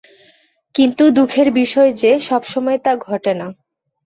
কিন্তু, দুঃখের বিষয় যে, সবসময় তা ঘটে না।